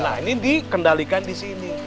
nah ini dikendalikan disini